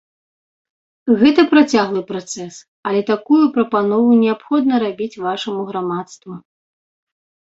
Гэта працяглы працэс, але такую прапанову неабходна рабіць вашаму грамадству.